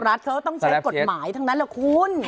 กรดหมายทั้งนั้นเหรอคุณ